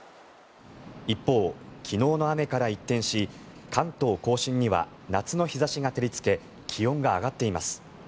一方、昨日の雨から一転し関東・甲信には夏の日差しが照りつけ気温が上がっています。